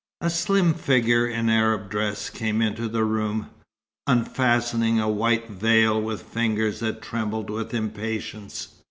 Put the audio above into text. A slim figure in Arab dress came into the room, unfastening a white veil with fingers that trembled with impatience.